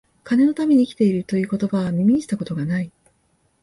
金のために生きている、という言葉は、耳にした事が無い